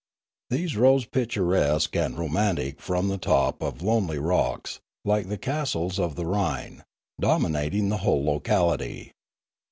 They rose picturesque and romantic from the top of lonely rocks, like the castles of the Rhine, dominating the whole locality.